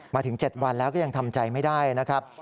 มาถึง๗วันแล้วก็ยังทำใจไม่ได้นะครับ